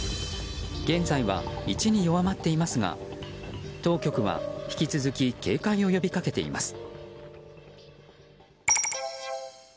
現在は１に弱まっていますが当局は引き続き警戒を呼びかけています。